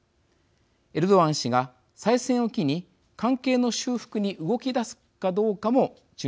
エルドアン氏が再選を機に関係の修復に動きだすかどうかも注目されます。